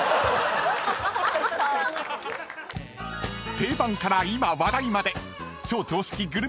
［定番から今話題まで］